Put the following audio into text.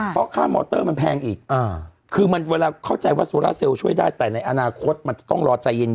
เพราะค่ามอเตอร์มันแพงอีกคือมันเวลาเข้าใจว่าโซราเซลล์ช่วยได้แต่ในอนาคตมันจะต้องรอใจเย็น